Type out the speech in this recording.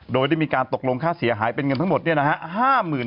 โดยได้มีการตกลงค่าเสียหายเป็นเงินทั้งหมด